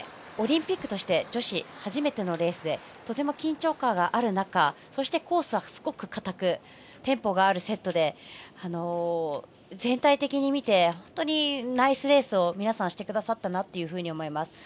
オリンピックとして女子初めてのレースでとても緊張感がある中そして、コースはすごくかたくテンポがあるセットで全体的に見て本当にナイスレースを皆さん、してくださったなと思います。